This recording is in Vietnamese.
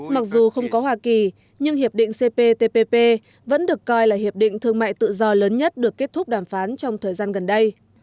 mặc dù không có hoa kỳ nhưng hiệp định cptpp vẫn được coi là hiệp định thương mại tự do lớn nhất được kết thúc đàm phán trong thời gian gần đây